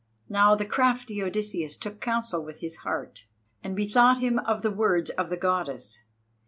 Now the crafty Odysseus took counsel with his heart, and bethought him of the words of the Goddess.